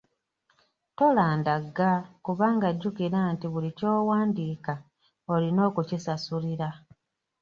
Tolandagga kubanga jjukira nti buli ky'owandiika olina okukisasulira.